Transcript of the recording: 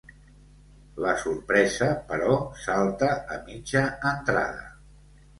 La sorpresa, però, salta a mitja entrada.